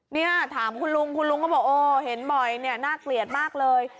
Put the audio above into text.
เนี่ยถามคุณลุงคุณลุงก็บอกโอ้เห็นบ่อยเนี่ยน่าเกลียดมากเลย